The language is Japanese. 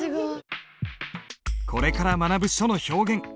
これから学ぶ書の表現。